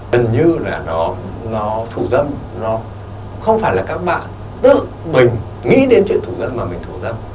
tần như là thủ dâm không phải là các bạn tự mình nghĩ đến chuyện thủ dâm mà mình thủ dâm